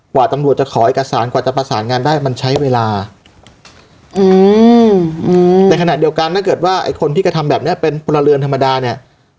กว่าตำรวจจะขอเอกสารกว่าจะประสานงานได้มันใช้เวลาอืมในขณะเดียวกันถ้าเกิดว่าไอ้คนที่กระทำแบบเนี้ยเป็นพลเรือนธรรมดาเนี่ย